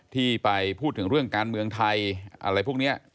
ที่ไปพูดถึงเรื่องการเมืองไทยอะไรพวกนี้